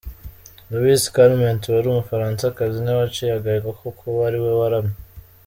Louise Calment ,wari umufaransakazi niwe waciye agahigo ko kuba ariwe waramye